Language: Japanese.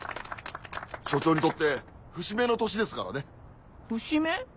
署長にとって節目の年ですからね。節目？